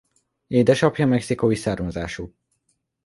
Édesapja mexikói származású.